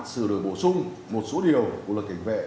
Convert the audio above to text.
sửa đổi bổ sung một số điều của luật cảnh vệ